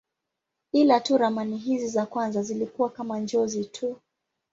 Ila tu ramani hizi za kwanza zilikuwa kama njozi tu.